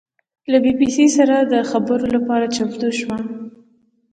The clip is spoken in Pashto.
له بي بي سي سره د خبرو لپاره چمتو شوه.